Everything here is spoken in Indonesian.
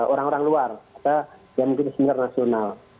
orang orang luar atau yang mungkin di sinar nasional